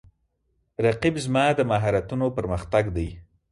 رقیب زما د مهارتونو پر مختګ دی